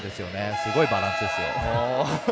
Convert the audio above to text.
すごいバランスですよ。